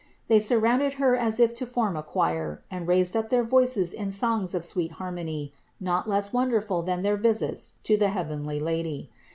They surrounded Her as if to form a choir and raised up their voices in songs of sweet harmony not less wonderful than their visit to the heavenly Lady.